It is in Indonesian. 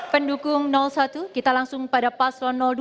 pendukung satu kita langsung pada paslon dua